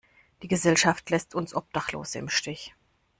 Die Gesellschaft lässt uns Obdachlose im Stich.